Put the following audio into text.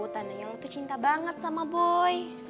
tandanya lo tuh cinta banget sama boy